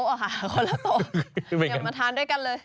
เดี๋ยวมาทานด้วยกันเลย